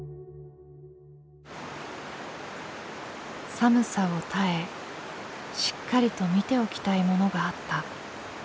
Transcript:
寒さを耐えしっかりと見ておきたいものがあった。